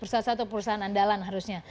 salah satu perusahaan andalan harusnya